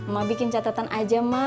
ma bikin catatan aja ma